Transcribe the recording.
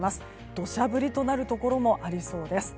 土砂降りとなるところもありそうです。